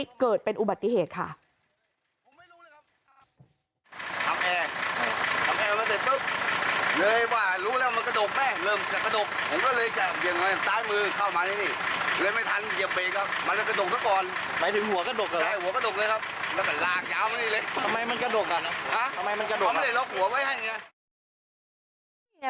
แล้วก็เกิดเป็นอุบัติเหตุค่ะ